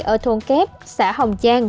ở thôn kép xã hồng giang